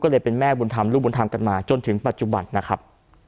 ก็เลยเป็นแม่บุญธรรมลูกบุญธรรมกันมาจนถึงปัจจุบันนะครับ